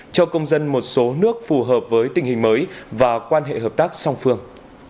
cho công dân một số nước phù hợp với tình hình mới và quan hệ hợp tác song phương